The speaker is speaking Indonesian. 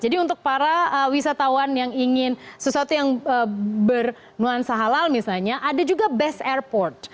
jadi untuk para wisatawan yang ingin sesuatu yang bernuansa halal misalnya ada juga best airport